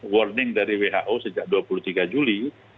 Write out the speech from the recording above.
warning dari who sejak dua puluh tiga juli